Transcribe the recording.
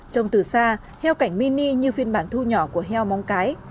trông từ xa heo cảnh mini như phiên bản thu nhỏ của heo mong cái